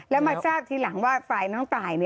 แล้วมาทราบทีหลังว่าฝ่ายน้องตาย